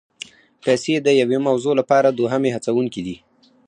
پیسې د یوې موضوع لپاره دوهمي هڅوونکي دي.